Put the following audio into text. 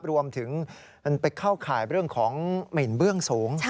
รวมถึงมันไปเข้าข่ายเรื่องของเหม็นเบื้องสูง